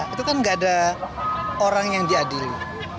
itu kan gak ada orang yang diadili